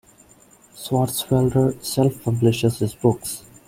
Swartzwelder self-publishes his books.